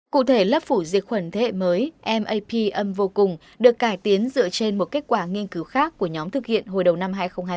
cụ thể lớp phủ diệt khuẩn thế hệ mới map âm vô cùng được cải tiến dựa trên một kết quả nghiên cứu khác của nhóm thực hiện hồi đầu năm hai nghìn hai mươi